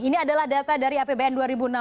ini adalah data dari apbn dua ribu enam belas